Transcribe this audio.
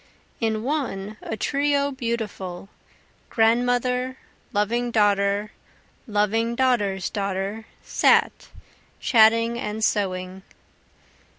In one a trio beautiful, Grandmother, loving daughter, loving daughter's daughter, sat, Chatting and sewing.